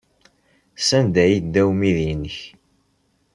Sanda ay yedda umidi-nnek?